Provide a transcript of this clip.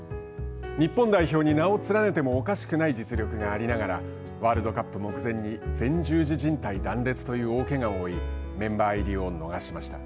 日本代表に名を連ねてもおかしくない実力がありながらワールドカップ目前に前十字じん帯断裂という大けがを負いメンバー入りを逃しました。